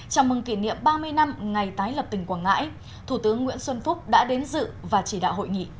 chào mừng kỷ niệm ba mươi năm ngày tái lập tỉnh quảng ngãi thủ tướng nguyễn xuân phúc đã đến dự và chỉ đạo hội nghị